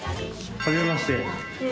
はじめまして。